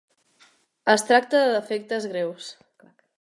Es tracta de defectes greus.